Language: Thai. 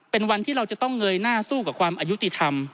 เป็นวันที่เราจะต้องเงยหน้าสู้กับความอายุติธรรม